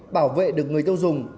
bảo vệ được người tiêu dùng